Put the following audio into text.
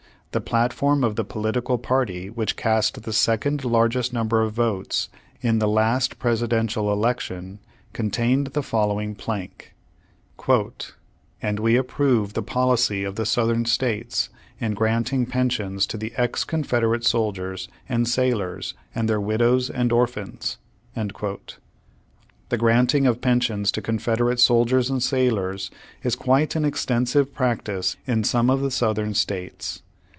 The platform of the political party which cast the second largest number of votes in the last Presidential election, contained the following plank: "And we approve the policy of the Southern States in granting pensions to the ex Confederate soldiers and sailors and their widows and orphans." ^ The granting of pensions to Confederate soldiers and sailors is quite an extensive practice in some of the Southern States.